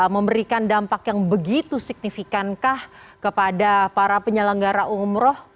memberikan dampak yang begitu signifikankah kepada para penyelenggara umroh